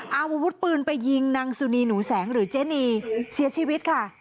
เอาอาวุธปืนไปยิงนางสุนีหนูแสงหรือเจนีเสียชีวิตค่ะ